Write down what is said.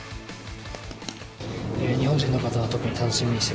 日本人の方々も楽しみにして